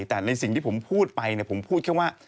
แต่ในสิ่งที่ผมพูดไปผมพูดแค่ว่า